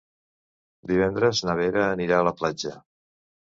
Divendres na Vera anirà a la platja.